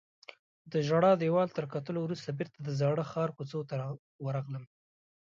د ژړا دیوال تر کتلو وروسته بیرته د زاړه ښار کوڅو ته ورغلم.